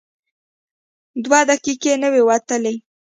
دوه دقیقې نه وې وتلې.